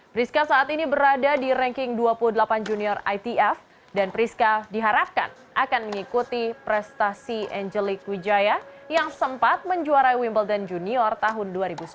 priska saat ini berada di ranking dua puluh delapan junior itf dan priska diharapkan akan mengikuti prestasi angelik wijaya yang sempat menjuarai wimbledon junior tahun dua ribu satu